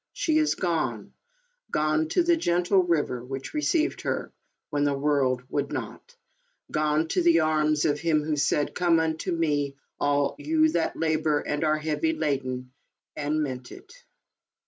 She is gone — gone to the gentle river, which received her, when the world would not; gone to the arms of Him who said, " Come unto me, all ye that labor and are heavy laden," and who meant it.